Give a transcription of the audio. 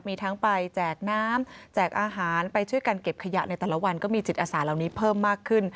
มีทั้งไปแจกน้ำแจกอาหารไปช่วยกันเก็บขยะในแต่ละวันก็มีจิตอาสาเหล่านี้เพิ่มมากขึ้น